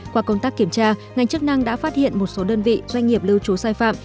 qua công tác kiểm tra ngành chức năng đã phát hiện một số đơn vị doanh nghiệp lưu trú sai phạm